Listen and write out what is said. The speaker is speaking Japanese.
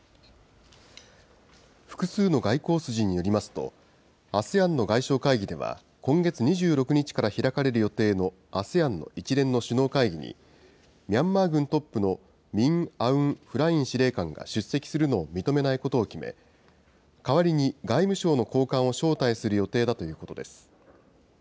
複数の外交筋によりますと、ＡＳＥＡＮの外相会議では今月２６日から開かれる予定のＡＳＥＡＮの一連の首脳会議に、ミャンマー軍トップのミン・アウン・フライン司令官が出席するのを認めないことを決め、代わりに外務省の高官を招待する予定だということです。